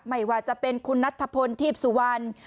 ไม่ว่าจะเป็นคุณนัทธพลทีพสุวรรณ